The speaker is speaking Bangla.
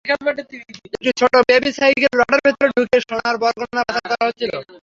একটি ছোট বেবি সাইকেলের রডের ভেতরে ঢুকিয়ে সোনার বারগুলো পাচার করা হচ্ছিল।